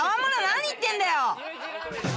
何言ってんだよ！